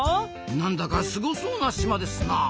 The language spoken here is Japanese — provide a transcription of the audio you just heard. なんだかすごそうな島ですなあ。